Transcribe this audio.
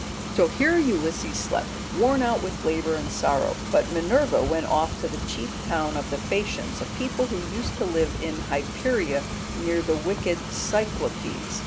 "So here Ulysses slept, worn out with labour and sorrow; but Minerva went off to the chief town of the Phaeacians, a people who used to live in Hypereia near the wicked Cyclopes.